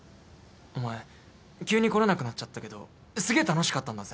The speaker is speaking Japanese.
お前急に来れなくなっちゃったけどすげえ楽しかったんだぜ。